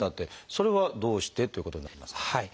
それはどうしてということになりますか？